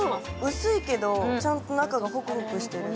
薄いけど、ちゃんと中がホクホクしてる。